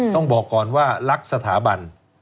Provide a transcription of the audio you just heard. ต้องบอกก่อนว่ารักสถาบัน